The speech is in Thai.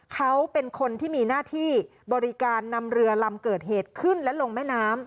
เขาเป็นคนที่มีหน้าที่บริการนำเรือลำเกิดเหตุขึ้นและลงแม่น้ำ